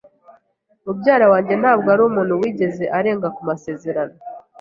Mubyara wanjye ntabwo arumuntu wigeze arenga ku masezerano.